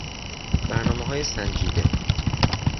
برنامههای سنجیده